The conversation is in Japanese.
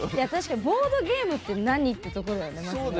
ボードゲームって何っていうところだよね。